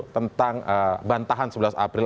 tentang bantahan sebelas april